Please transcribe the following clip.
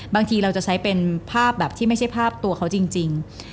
บางทีเราจะใช้เป็นภาพแบบที่ไม่ใช่ภาพตัวเขาจริง